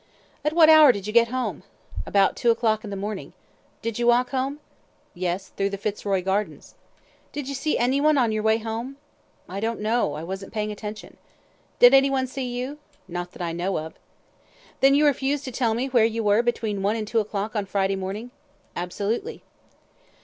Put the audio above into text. "At what hour did you get home?" "About two o'clock in the morning." "Did you walk home?" "Yes through the Fitzroy Gardens." "Did you see anyone on your way home?" "I don't know. I wasn't paying attention." "Did anyone see you?" "Not that I know of." "Then you refuse to tell me where you were between one and two o'clock on Friday morning?" "Absolutely!"